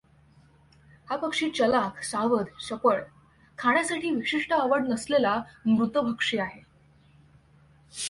हा पक्षी चलाख, सावध, चपळ, खाण्यासाठी विशिष्ट आवड नसलेला, मृतभक्षी आहे.